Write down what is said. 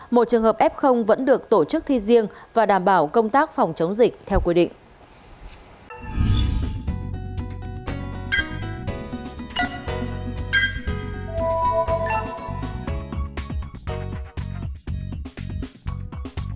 một trường hợp f vẫn được tổ chức thi riêng và đảm bảo công tác phòng chống dịch theo quy định